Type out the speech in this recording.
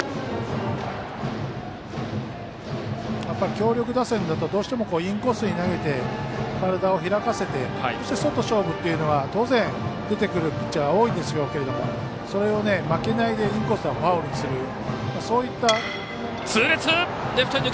やっぱり強力打線だとどうしてもインコースに投げて体を開かせてそして、外勝負というのは当然出てくるピッチャーが多いんでしょうけどそれを負けないでインコースをファウルにする。